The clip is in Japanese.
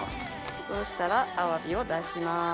そしたらアワビを出します。